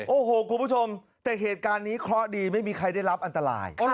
โอ้โหคุณผู้ชมแต่เหตุการณ์นี้เคราะห์ดีไม่มีใครได้รับอันตราย